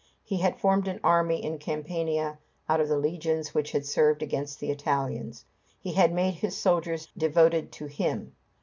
He had formed an army in Campania out of the legions which had served against the Italians. He had made his soldiers devoted to him.